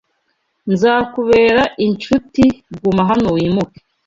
Nzakubera inshuti guma hano wimuke